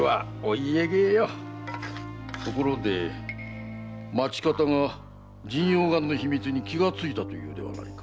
ところで町方が神陽丸の秘密に気が付いたというではないか？